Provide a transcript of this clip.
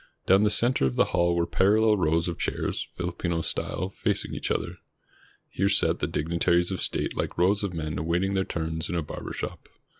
Down the center of the hall were parallel rows of chairs, Filipino style, facing each other. Here sat the dignitaries of state like rows of men awaiting their turns in a barber shop.